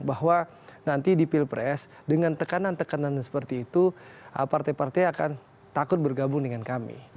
bahwa nanti di pilpres dengan tekanan tekanan seperti itu partai partai akan takut bergabung dengan kami